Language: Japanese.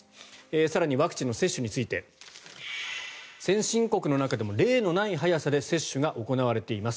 更にワクチンの接種について先進国の中でも例のない速さで接種が行われています。